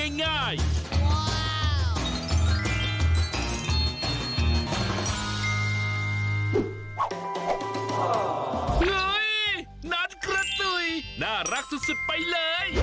นั่นกระจุยน่ารักสุดไปเลย